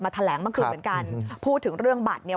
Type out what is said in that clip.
แถลงเมื่อคืนเหมือนกันพูดถึงเรื่องบัตรเนี่ย